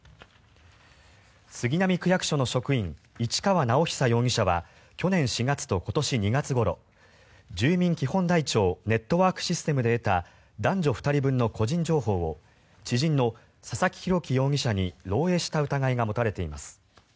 杉並区役所の職員市川直央容疑者は去年４月と今年２月ごろ住民基本台帳ネットワークシステムで得た男女２人分の個人情報を知人の佐々木洋樹容疑者に漏えいした疑いが持たれています。